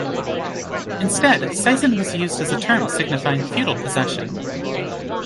Instead seisin was used as a term signifying feudal possession.